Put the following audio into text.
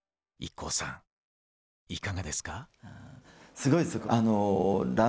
すごいです。